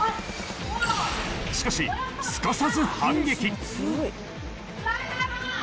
しかしすかさず反撃！